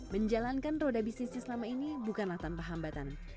menjalankan roda bisnisnya selama ini bukanlah tanpa hambatan